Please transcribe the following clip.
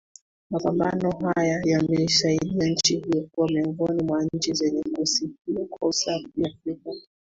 Mapambano haya yameisaidia nchi hiyo kuwa miongoni mwa nchi zenye kusifika kwa usafi Afrika